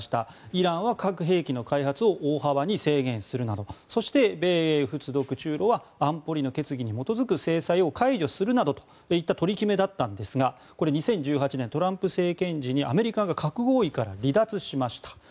イランは核兵器の開発を大幅に制限するなどそして米、英、仏、独、中、露は安保理決議に基づく制裁を解除するなどといった取り決めだったんですが２０１８年、トランプ政権時にアメリカが核合意から離脱しました。